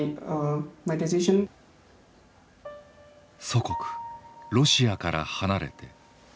祖国ロシアから離れて。